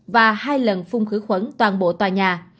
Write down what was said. và hai lần phun khử khuẩn toàn bộ tòa nhà